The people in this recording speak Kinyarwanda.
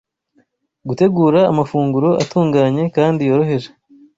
gutegura amafunguro atunganye kandi yoroheje,